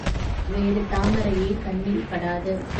வேறு தாமரையே கண்ணில் படாது.